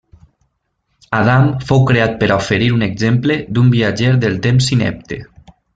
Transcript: Adam fou creat per a oferir un exemple d'un viatger del temps inepte.